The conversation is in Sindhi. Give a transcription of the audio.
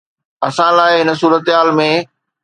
اسان لاء هن صورتحال ۾